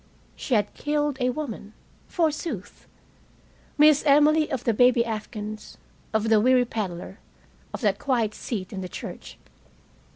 She had killed a woman, forsooth! Miss Emily, of the baby afghans, of the weary peddler, of that quiet seat in the church.